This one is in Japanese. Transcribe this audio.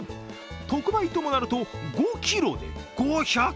特売ともなると５ｋｇ５００円。